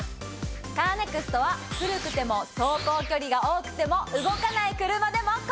カーネクストは古くても走行距離が多くても動かない車でも。